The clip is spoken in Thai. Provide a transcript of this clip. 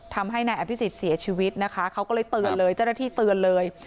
ทำให้นายอภิษฎเสียชีวิตนะคะเขาก็เลยเตือนเลยเจ้าหน้าที่เตือนเลย